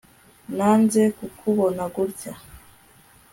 nanze kukubona gutya